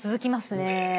ねえ。